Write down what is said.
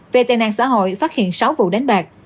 về tệ nạn xã hội phát hiện sáu vụ đánh bạc